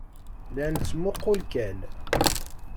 La nettmuqqul kan.